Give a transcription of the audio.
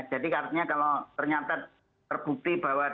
jadi kalau ternyata terbukti bahwa